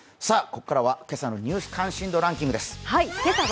ここからは今朝の「ニュース関心度ランキング」です。